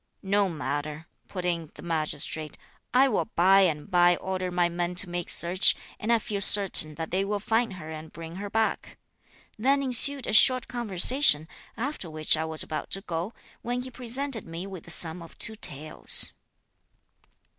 'No matter,' put in the Magistrate, 'I will by and by order my men to make search, and I feel certain that they will find her and bring her back.' Then ensued a short conversation, after which I was about to go, when he presented me with the sum of two taels."